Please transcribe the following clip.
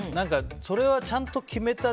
それはちゃんと決めた。